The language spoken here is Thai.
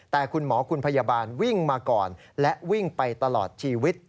แต่คุณหมอคุณพยาบาลวิ่งมาก่อนและวิ่งไปตลอดชีวิต